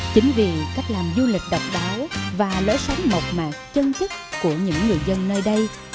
chính vì cách làm du lịch độc đáo và lối sống mộc mạc chân chất của những người dân nơi đây